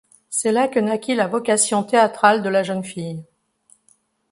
C'est là que naquit la vocation théâtrale de la jeune fille.